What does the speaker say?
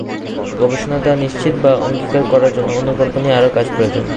গবেষণার দ্বারা নিশ্চিত বা অস্বীকার করার জন্য অনুকল্প নিয়ে আরও কাজ প্রয়োজন।